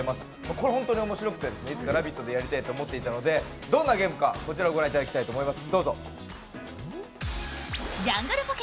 これホントに面白くて、いつか「ラヴィット！」でやりたいと思っていたので、どんなゲームかこちらをご覧いただきたいと思います。